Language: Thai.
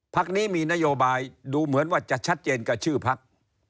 พักนี้มีนโยบายดูเหมือนว่าจะชัดเจนกับชื่อพัก